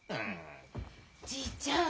じいちゃん